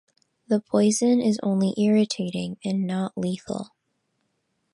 The poison is only irritating and not lethal.